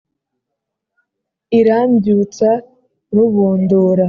irambyutsa rubondora,